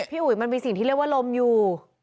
อุ๋ยมันมีสิ่งที่เรียกว่าลมอยู่